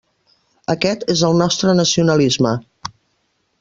Aquest és el nostre nacionalisme.